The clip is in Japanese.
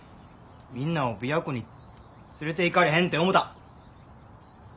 みんなを琵琶湖に連れていかれへんて思た。